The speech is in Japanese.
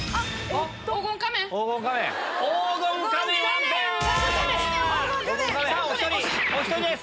お１人です。